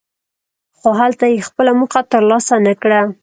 خو هلته یې خپله موخه ترلاسه نکړه.